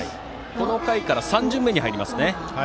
この回から３巡目に入ります。